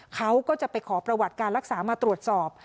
เขาก็จะไปขอประวัติการรักษามาตรวจสอบ